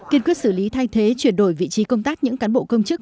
kiên quyết xử lý thay thế chuyển đổi vị trí công tác những cán bộ công chức